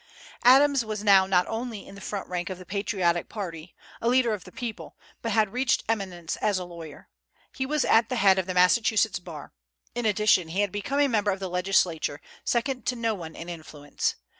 Adams was now not only in the front rank of the patriotic party, a leader of the people, but had reached eminence as a lawyer. He was at the head of the Massachusetts bar. In addition he had become a member of the legislature, second to no one in influence.